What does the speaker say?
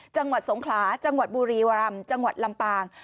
จังหวัดสงขลาจังหวัดบุรีรำจังหวัดลำปาง